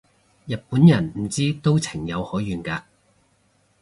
日本人唔知都情有可原嘅